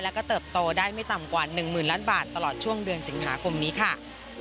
แล้วก็เติบโตได้ไม่ต่ำกว่า๑หมื่นล้านบาทตลอดช่วงเดือนสิงหาคมนี้ค่ะ